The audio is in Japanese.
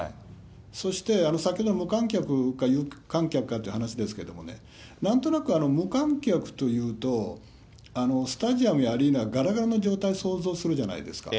そして先ほど、無観客か有観客かっていう話ですけどもね、なんとなく無観客というと、スタジアムやアリーナ、がらがらの状態を想像するじゃないですか。